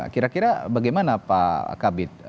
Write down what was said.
kira kira bagaimana pak kabit